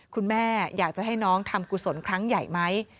คุณแม่อยากจะให้น้องทำกุศลครั้งใหญ่ไหม